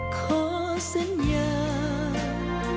ขอสัญญา